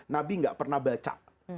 nabi tidak pernah baca